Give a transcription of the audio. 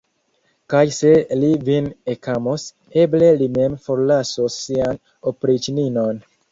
Kaj se li vin ekamos, eble li mem forlasos sian opriĉninon.